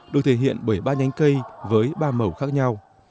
được thể hiện bởi ba nhánh cây với ba màu khác nhau